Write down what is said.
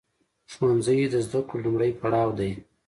ښوونځی د زده کړو لومړی پړاو دی.